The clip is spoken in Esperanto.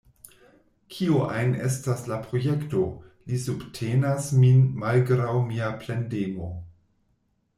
Kio ajn estas la projekto, li subtenas min malgraŭ mia plendemo.